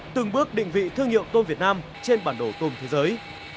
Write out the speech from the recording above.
từng bước định vị thương hiệu tôm việt nam trên bản đồ tôm thế giới